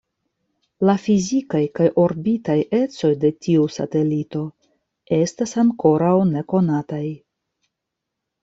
La fizikaj kaj orbitaj ecoj de tiu satelito estas ankoraŭ nekonataj.